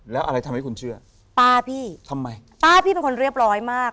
แล้วอะไรทำให้คุณเชื่อป้าพี่ทำไมป้าพี่เป็นคนเรียบร้อยมาก